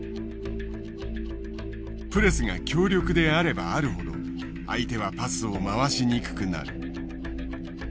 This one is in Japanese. プレスが強力であればあるほど相手はパスを回しにくくなる。